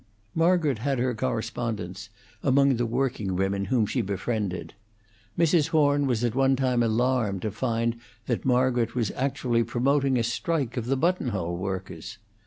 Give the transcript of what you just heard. Margaret had her correspondents among the working women whom she befriended. Mrs. Horn was at one time alarmed to find that Margaret was actually promoting a strike of the button hole workers.